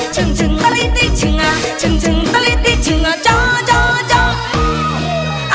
ชึ่งชึ่งตริติชึงอ่ะชึ่งชึ่งตริติชึงอ่ะโจ๊ะโจ๊ะโจ๊ะ